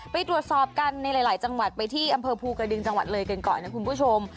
ไปตรวจสอบกันในหลายจังหวัดไปที่อำเภอภูกระดึงจังหวัดเลยกันก่อนนะคุณผู้ชม